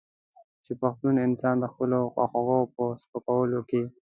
چې پښتون انسان د خپلو خواخوږو په سپکولو کې.